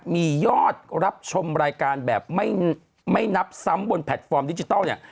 มียอดรับชมรายการแบบไม่นับซ้ำบนแพลตฟอร์มดิจิทัลเนี่ย